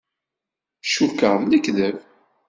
Cukkeɣ d lekdeb.